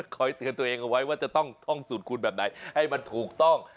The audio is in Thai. เตือนตัวเองเอาไว้ว่าจะต้องท่องสูตรคุณแบบไหนให้มันถูกต้อง